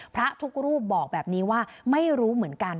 พระทุกรูปบอกแบบนี้ว่าไม่รู้เหมือนกัน